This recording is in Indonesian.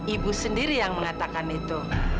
ibu sendiri yang mengatakan itu